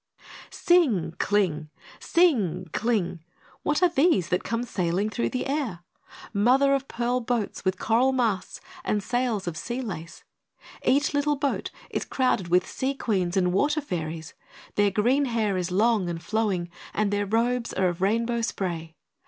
Sing! cling! Sing! cling! What are these that come sailing through the air? Mother of pearl boats with coral masts and sails of sea lace! Each little boat is crowded with Sea Queens and Water Fairies. Their green hair is long and flowing, and their robes are of rainbow spray.